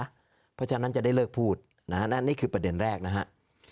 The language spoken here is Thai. เพราะฉะนั้นจะได้เลิกพูดนะนี่คือประเด็นแรกนะครับ